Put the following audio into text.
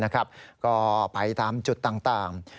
ก็ไปตามจุดต่าง